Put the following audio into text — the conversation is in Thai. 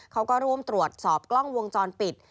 เขาก็ร่วมตรวจสอบกล้องวงจรปิด